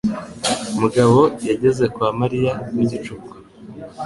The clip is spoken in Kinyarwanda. Mugabo yageze kwa Mariya mu gicuku.